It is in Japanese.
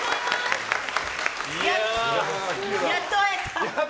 やっと会えた。